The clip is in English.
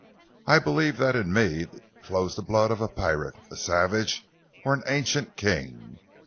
I believe that in me flows the blood of a pirate, a savage, or an ancient king.